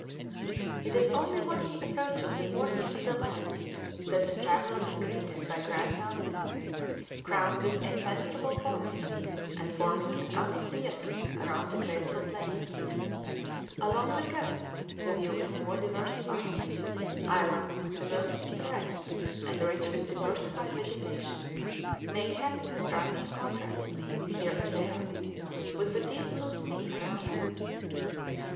It is only when he approaches the borders of the land that the traveller is greeted by grand mountains, crowned with impenetrable forests, and forming an amphitheatre around the graceful plains. Along the coast the view is more diversified; islands, the most picturesque, and rich with diversified vegetation, make happy, striking contrasts, here and there, with the deep blue sea around them.